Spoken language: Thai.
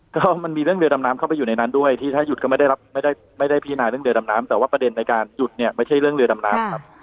ก็มันมีเรื่องเรือดำน้ำเข้าไปอยู่ในนั้นด้วยที่ถ้าหยุดก็ไม่ได้พิจารณาเรื่องเรือดำน้ำแต่ว่าประเด็นในการหยุดเนี่ยไม่ใช่เรื่องเรือดำน้ำครับ